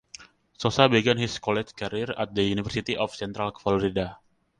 Sosa began his college career at the University of Central Florida.